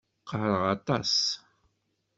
Qqareɣ aṭas.